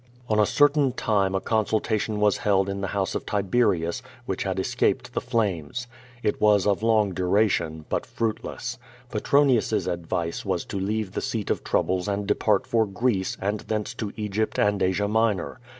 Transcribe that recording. On a certain time a consultation was held in the house of Tiberius^ which had escaped the flames. It was of long dura tion, but fruitless. Petronius's advice was to leave the seat of troubles and depart for Greece and thence to Egypt and Asia Minor.